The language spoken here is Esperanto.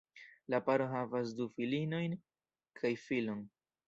La paro havas du filinojn kaj filon.